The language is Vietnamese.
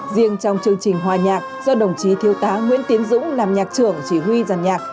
riêng trong chương trình hòa nhạc do đồng chí thiếu tá nguyễn tiến dũng làm nhạc trưởng chỉ huy giàn nhạc